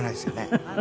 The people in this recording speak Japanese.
フフフフ。